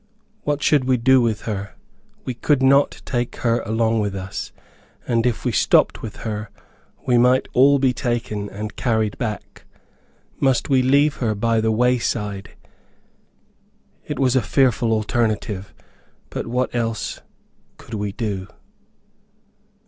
What should we do with her? We could not take her along with us, and if we stopped with her, we might all be taken and carried back. Must we leave her by the way side? It was a fearful alternative, but what else could we do?